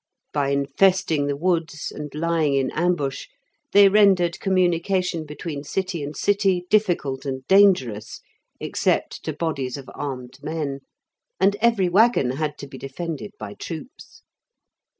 By infesting the woods and lying in ambush they rendered communication between city and city difficult and dangerous, except to bodies of armed men, and every waggon had to be defended by troops.